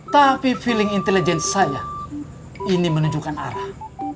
tapi feeling intelligence saya ini menunjukkan arah